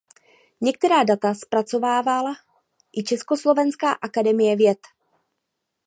Některá data zpracovávala i Československá akademie věd.